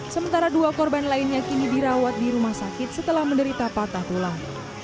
sementara dua korban lainnya kini dirawat di rumah sakit setelah menderita patah tulang